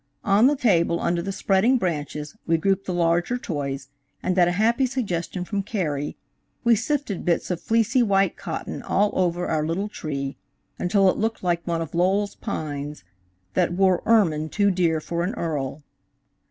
On the table under the spreading branches, we grouped the larger toys, and at a happy suggestion from Carrie, we sifted bits of fleecy white cotton all over our little tree until it looked like one of Lowell's pines "that wore ermine too dear for an earl."